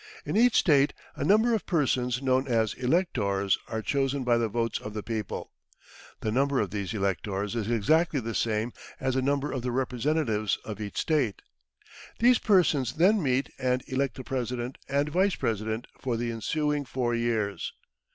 In each State a number of persons known as "electors" are chosen by the votes of the people. The number of these electors is exactly the same as the number of the Representatives of each State. These persons then meet and elect the President and Vice President for the ensuing four years.